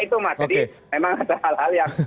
itu mas jadi memang ada hal hal yang